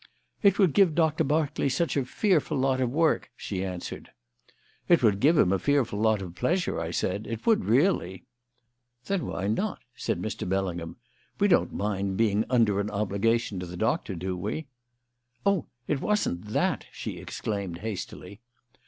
"It would give Doctor Berkeley such a fearful lot of work," she answered. "It would give him a fearful lot of pleasure," I said. "It would, really." "Then why not?" said Mr. Bellingham. "We don't mind being under an obligation to the Doctor, do we?" "Oh, it wasn't that!" she exclaimed hastily.